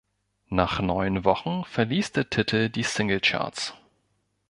Nach neun Wochen verließ der Titel die Singlecharts.